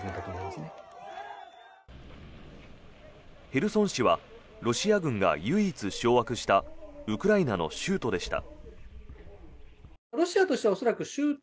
ヘルソン市はロシア軍が唯一掌握したウクライナの州都でした。